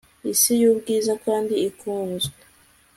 isi yubwiza kandi ikunzwe